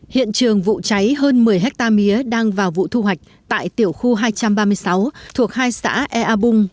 hiện trường vụ cháy hơn một mươi hectare mía đang vào vụ thu hoạch tại tiểu khu hai trăm ba mươi sáu thuộc hai xã ea bung